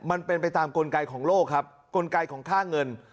มันเป็นไปตามกลไกของโลกครับกลไกของค่าเงิน